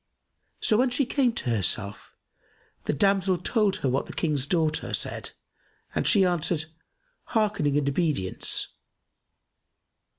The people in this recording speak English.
So, when she came to herself, the damsel told her what the King's daughter said and she answered, "Hearkening and obedience."